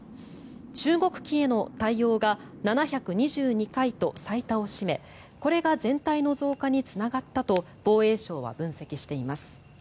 中国機への対応が７２２回と最多を占めこれが全体の増加につながったと防衛省は分析しています。